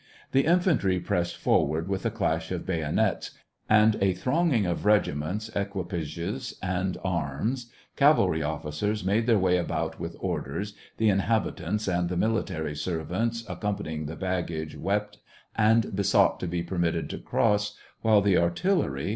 The infantry pressed forward, with a clash of bayonets, and a thronging of regiments, equipages, and arms ; cavalry ofificers made their way about with orders, the inhabitants and the military ser vants accompanying the baggage wept and be sought to be permitted to cross, while the artillery, SEVASTOPOL IN AUGUST.